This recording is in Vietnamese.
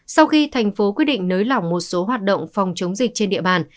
sau khi thành phố quyết định nới lỏng một số hoạt động phòng chống dịch trên địa bàn